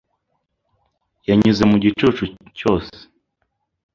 Yanyuze mu gicucu cyose--